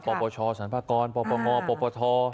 ปปลชสำภาค์กรปปงปธ